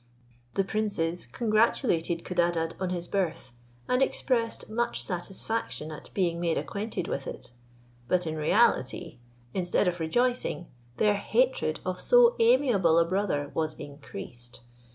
The princes congratulated Codadad on his birth, and expressed much satisfaction at being made acquainted with it. But in reality, instead of rejoicing, their hatred of so amiable a brother was increased.